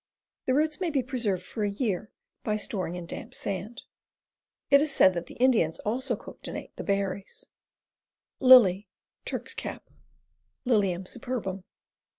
The roots may be preserved for a year by storing in damp sand. It is said that the Indians also cooked and ate the berries. Lilt, Tdrk's Cap. Lilium superbum.